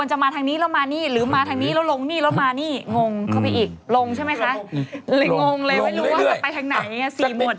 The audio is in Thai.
ใช่ไหมคะลงเลยไม่รู้ว่าจะไปทางไหน๔มวด